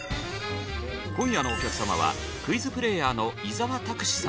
今夜のお客様はクイズプレーヤーの伊沢拓司様。